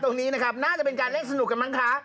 ตรงนี้นะครับน่าจะเป็นการเล่นสนุกกันมั้งคะ